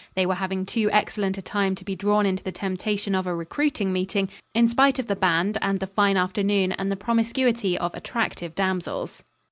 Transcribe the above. They were having too excellent a time to be drawn into the temptation of a recruiting meeting, in spite of the band and the fine afternoon and the promiscuity of attractive damsels.